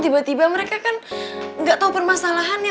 tiba tiba mereka kan gak tau permasalahannya